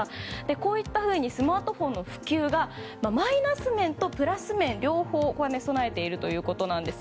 こういったふうにスマートフォンの普及がマイナス面とプラス面、両方を兼ね備えているそうです。